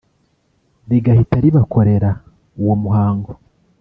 rigahita ribakorera uwo muhango